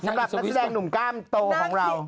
นักแสดงหนุ่มกล้ามโตของเรา